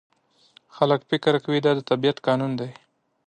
خلک فکر کوي دا د طبیعت قانون دی.